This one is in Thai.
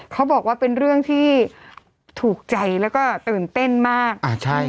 เขาบอกว่าเป็นเรื่องที่ถูกใจแล้วก็ตื่นเต้นมากอ่าใช่